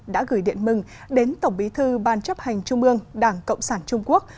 đã gửi điện mừng đến tổng bí thư ban chấp hành trung ương đảng cộng sản trung quốc